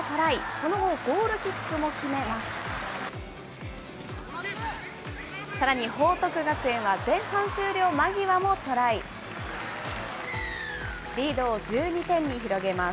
その後、ゴールキックも決めます。